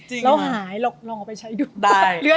เราหายลองเอาไปใช้ดูได้